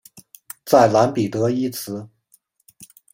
在蓝彼得一词。